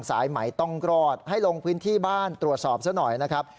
สายไหมต้องรอดให้ลงพื้นที่บ้านตรวจสอบซะหน่อยนะครับ